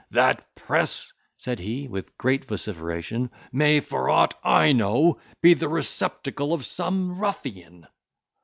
"That press," said he, with great vociferation, "may, for aught I know, be the receptacle of some ruffian."